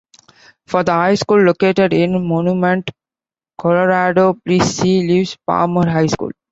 For the high school located in Monument, Colorado, please see Lewis-Palmer High School.